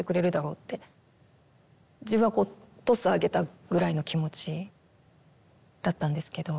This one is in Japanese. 自分はこうトスを上げたぐらいの気持ちだったんですけど。